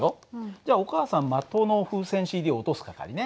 じゃあお母さん的の風船ＣＤ落とす係ね。